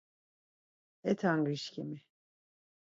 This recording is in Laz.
E Tangrişǩimi!